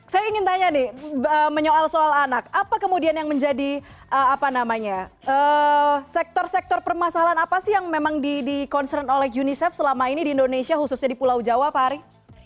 saya ingin tanya nih menyoal soal anak apa kemudian yang menjadi apa namanya sektor sektor permasalahan apa sih yang memang di concern oleh unicef selama ini di indonesia khususnya di pulau jawa pak ari